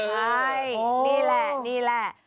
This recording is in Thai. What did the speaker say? ใช่นี่แหละนี่แหละ